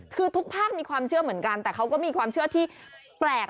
คือทุกภาคมีความเชื่อเหมือนกันแต่เขาก็มีความเชื่อที่แปลก